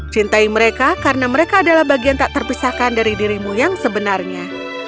cintai mereka karena mereka adalah bagian tak terpisahkan dari dirimu yang sebenarnya